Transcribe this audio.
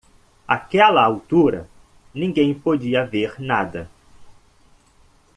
Àquela altura, ninguém podia ver nada